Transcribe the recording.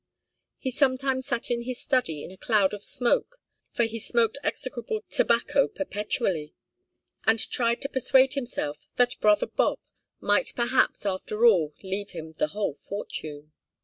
He sometimes sat in his study in a cloud of smoke for he smoked execrable tobacco perpetually and tried to persuade himself that 'brother Bob' might perhaps after all leave him the whole fortune.